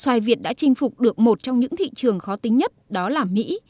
xoài việt đã chinh phục được một trong những thị trường khó tính nhất đó là mỹ